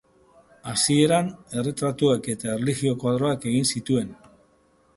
Hasieran erretratuak eta erlijio-koadroak egin zituen.